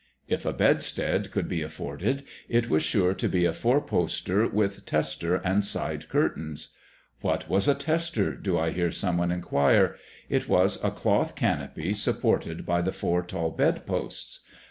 If a bedstead could be afforded it was sure to be a four poster with tester and side curtains. "What was a tester?" do I hear someone enquire? It was a cloth canopy supported by the four tall bed posts.